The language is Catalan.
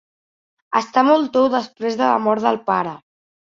Està molt tou després de la mort del pare.